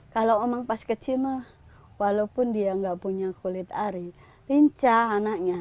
kalau emang pas kecil mah walaupun dia nggak punya kulit ari linca anaknya